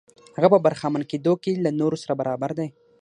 هغه په برخمن کېدو کې له نورو سره برابر دی.